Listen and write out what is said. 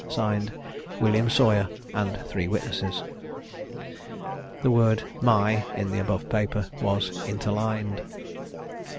(Signed) "WILLIAM SAWYER." And three witnesses. The word "my," in the above paper, was interlined.